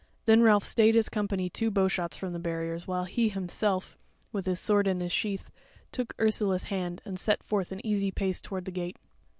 Then Ralph stayed his company two bowshots from the barriers, while he himself, with his sword in his sheath, took Ursula's hand and set forth an easy pace toward the gate.